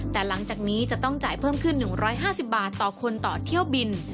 แต่หลังจากนี้จะต้องจ่ายเพิ่มขึ้น๑๕๐บาทต่อคนต่อเที่ยวบิน